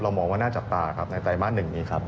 เรามองว่าน่าจต่าครับในแต่มาร์ทนึงอีกครับ